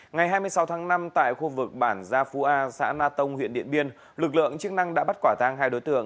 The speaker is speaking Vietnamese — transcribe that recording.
ngày hai mươi sáu tháng năm tại khu vực bản gia phú a xã na tông huyện điện biên lực lượng chức năng đã bắt quả tang hai đối tượng